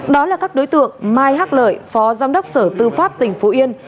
đó là các đối tượng mai hắc lợi phó giám đốc sở tư pháp tỉnh phú yên